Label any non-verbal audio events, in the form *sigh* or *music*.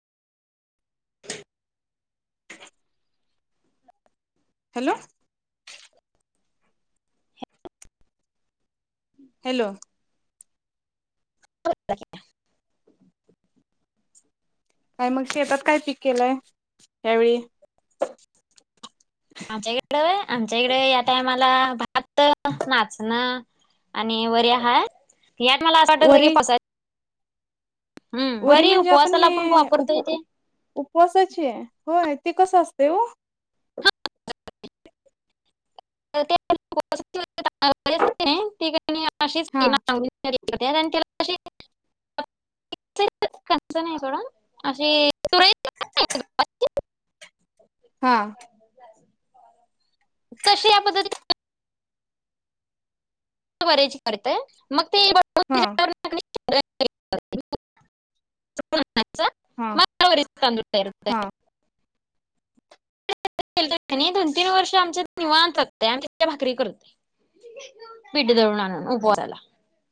*inaudible* hello hello *inaudible* काय मग शेतात काय पीक केलंय यावेळी आमच्याकड आमच्या इकडे या टायमाला भात नाचणं आणि वर हा यात मला असं वाटत की वरी पसाय वरी म्हणजे आपण उपवासाला हे उप वापरतोय ते उपवासाचे होय ते कसं असते णीच हा आणि त्याला च नाहीड हा तशी या पद्धती बऱ्यायची करत मग ते म हा हा हा दोन तीन वर्ष आमच्या निवांतय आम् भाकरी करत ह बिड दळ नरला